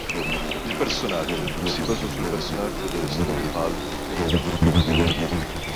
Il personaggio si basò sul personaggio delle storie pulp Capitan Futuro.